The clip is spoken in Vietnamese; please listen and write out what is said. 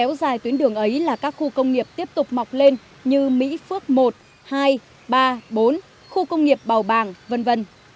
ở bình dương chủ lực là các khu công nghiệp bảo bàng v v